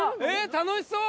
楽しそう！